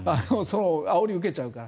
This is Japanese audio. あおりを受けちゃうから。